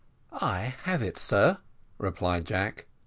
"I have it, sir," replied Jack.